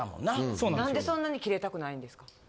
なんでそんなに切れたくないんですか？